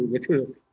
kluster baru gitu